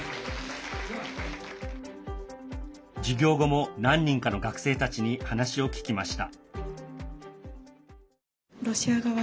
授業後も何人かの学生たちに話を聞きました。